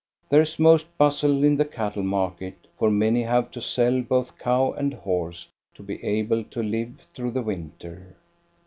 There is most bustle in the cattle market, for many have to sell both cow and horse to be able to live through the winter.